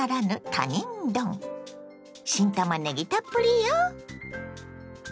新たまねぎたっぷりよ。